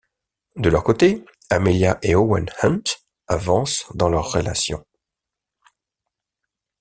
De leur côté, Amelia et Owen Hunt avancent dans leur relation.